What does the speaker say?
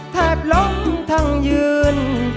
แทบล้มทั้งยืน